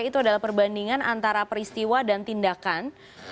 itu adalah perbandingan antara peristiwa dan tindakan